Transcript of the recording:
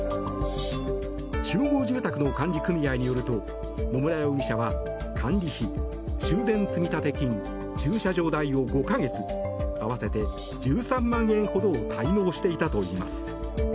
集合住宅の管理組合によると野村容疑者は管理費・修繕積立金・駐車場代を５か月、合わせて１３万円ほどを滞納していたといいます。